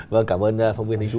vâng cảm ơn phong viên thánh chú